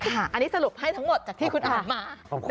อันนี้สรุปให้ทั้งหมดจากที่คุณอ่านมา